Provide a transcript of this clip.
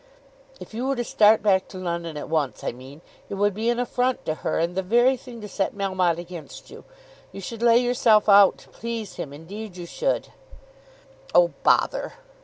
"If you were to start back to London at once I mean, it would be an affront to her, and the very thing to set Melmotte against you. You should lay yourself out to please him; indeed you should." "Oh, bother!"